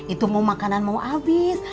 itu mau makanan mau habis